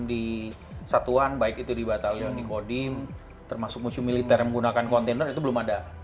di satuan baik itu di batalion di kodim termasuk museum militer yang menggunakan kontainer itu belum ada